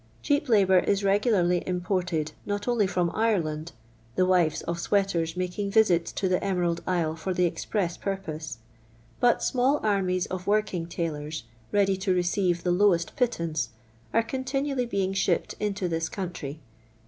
Cheap labour is regu larly imported, not only from Ireland (the wives of sweaters making visits to the Emerald Isle for the express purpose), but small armies of working tailors, ready to receive the lowest pittance, are contimially being shipped into this country.